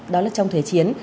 đó là trong thời chiến